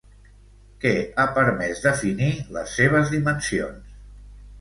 Què ha permès definir les seves dimensions?